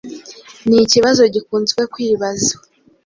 ni ikibazo gikunze kwibazwa